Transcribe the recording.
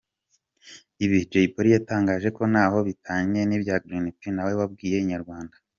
Ibi Jay Polly yatangaje ntaho bitaniye n'ibya Green P nawe wabwiye Inyarwanda.